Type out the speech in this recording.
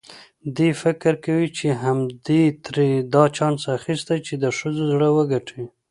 دی فکر کوي چې همدې ترې دا چانس اخیستی چې د ښځو زړه وګټي.